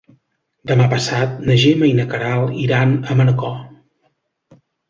Demà passat na Gemma i na Queralt iran a Manacor.